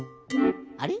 あれ？